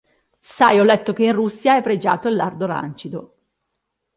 Sai, ho letto che in Russia è pregiato il lardo rancido.